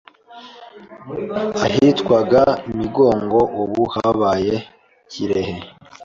ahitwaga Migongo ubu habaye kirehe